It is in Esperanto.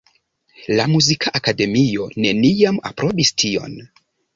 La muzika akademio neniam aprobis tion.